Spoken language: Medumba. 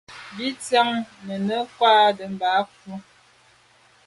Bín tsín nə̀ ngə́ kwâ’ mbâdə́ cú.